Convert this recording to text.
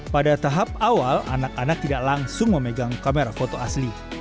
pada tahap awal anak anak tidak langsung memegang kamera foto asli